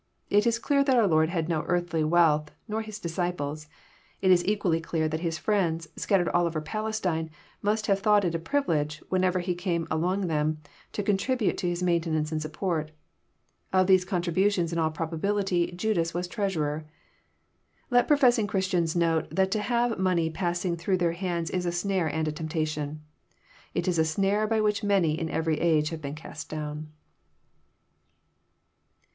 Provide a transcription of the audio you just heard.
It is clear that oar Lord had no earthly wealth, nor His disciples. It is equally clear that His fiends, scattered all over Palestine, must have thought it a privilege, whenever He came among them, to contribute to His maintenance and support. Of these contributiOBS in all proba bility Judas was treasurer. Let professing Christians note that to have money passing through their hands is a snare and a temptation. It is a snare by which many in every age have been cast down.